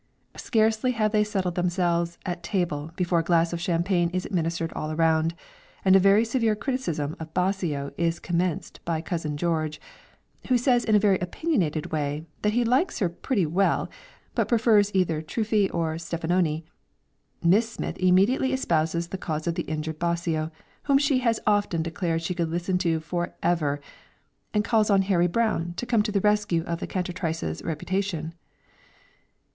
Scarcely have they settled themselves at table before a glass of champagne is administered all round, and a very severe criticism of Bosio is commenced by Cousin George, who says in a very opinionated way, that he likes her pretty well, but prefers either Truffi or Stefanoni. Miss Smith immediately espouses the cause of the injured Bosio, whom she has often declared she could listen to "forever," and calls on Harry Brown to come to the rescue of the cantatrice's reputation.